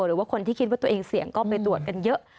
หรือว่าคนที่คิดว่าตัวเองเสี่ยงก็ไปตรวจกันเยอะ